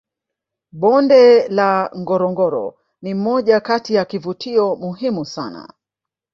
bonde la ngorongoro ni moja Kati ya kivutio muhimu sana